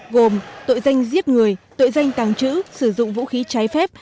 gồm tội danh giết người tội danh tàng trữ sử dụng vũ khí trái phép